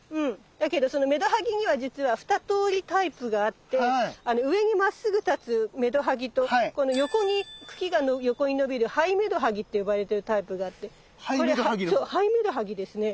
だけどそのメドハギにはじつは２通りタイプがあって上にまっすぐ立つメドハギとって呼ばれてるタイプがあってこれハイメドハギですね。